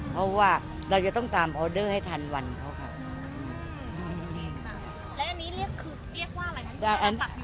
เพราะว่าเราจะต้องตามให้ทันวันเขาค่ะอืมแล้วอันนี้เรียกคือเรียกว่าอะไร